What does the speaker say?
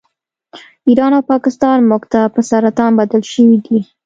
ایران او پاکستان موږ ته په سرطان بدل شوي دي